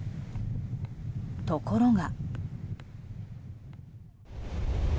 ところが。